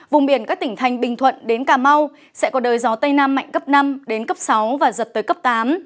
vùng biển các tỉnh thành bình thuận đến cà mau sẽ có đời gió tây nam mạnh cấp năm đến cấp sáu và giật tới cấp tám